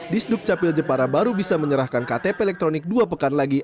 di sdukcapil jepara baru bisa menyerahkan ktp elektronik dua pekan lagi